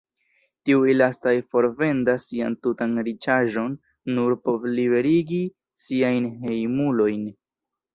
Tiuj lastaj forvendas sian tutan riĉaĵon, nur por liberigi siajn hejmulojn.